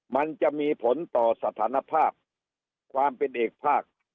มันจะมีผลต่อสถานภาพความเป็นเอกภาค